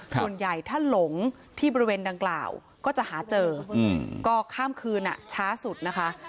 ส่วนใหญ่ถ้าหลงที่บริเวณดังกล่าวก็จะหาเจอก็ข้ามคืนช้าสุดนะคะ